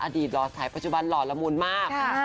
หล่อสายปัจจุบันหล่อละมุนมาก